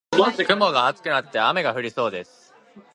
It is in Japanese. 雲が厚くなって雨が降りそうです。